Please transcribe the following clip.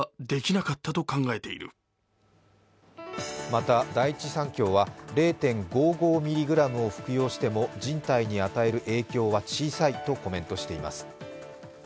また第一三共は０．５５ｍｇを服用しても人体に与える影響は小さいとコメントしています。